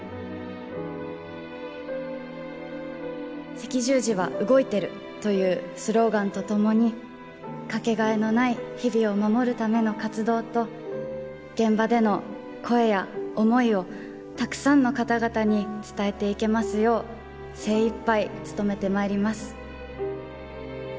「赤十字は、動いてる！」というスローガンとともにかけがえのない日々を守るための活動と現場での声や思いをたくさんの方々に伝えていけますよう精いっぱい努めてまいります。